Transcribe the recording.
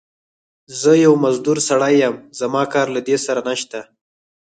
زه يو مزدور سړی يم، زما کار له دې سره نشته.